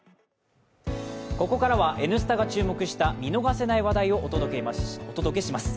ここからは、「Ｎスタ」が注目した見逃せない話題をお届けします。